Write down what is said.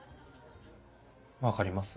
分かります。